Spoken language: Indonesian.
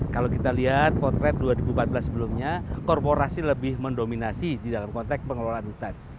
kalau kita lihat potret dua ribu empat belas sebelumnya korporasi lebih mendominasi di dalam konteks pengelolaan hutan